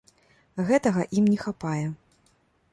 Гэтага ім не хапае.